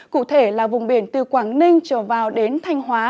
cụ thể là vùng biển từ quảng ninh trở vào đến thanh hóa